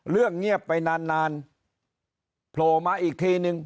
เรื่องเงียบไปนานโผล่มาอีกทีนึง